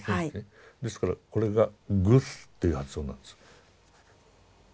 ですからこれが「グス」っていう発音なんです。